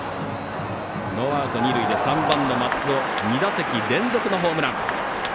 ノーアウト、二塁で３番の松尾２打席連続のホームラン。